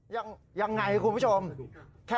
ยังยังไงคุณผู้ชมประดูกครับ